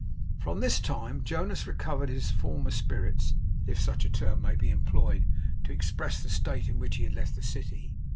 From this time Jonas recovered his former spirits, if such a term may be employed to express the state in which he had left the city.